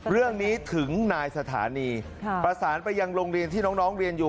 เรื่องนี้ถึงนายสถานีประสานไปยังโรงเรียนที่น้องเรียนอยู่